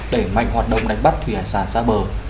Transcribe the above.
để mạnh hoạt động đánh bắt thủy sản xa bờ